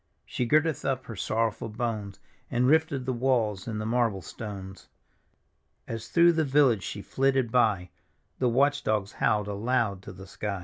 She girded up her sorrowful bones, And rifted the walls and the marble stones. As through the village she flitted by, The watch dogs howled aloud to the sky.